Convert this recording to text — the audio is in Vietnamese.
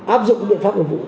áp dụng các biện pháp nguồn vụ